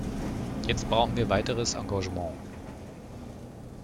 Jetzt brauchen wir weiteres Engagement.